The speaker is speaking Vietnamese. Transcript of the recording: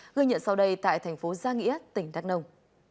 ghi nhận sau đây tại thành phố giang nghĩa tỉnh đắk nông